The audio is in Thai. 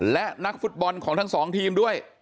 และนักฟุตบอลของทั้งสองทีมด้วย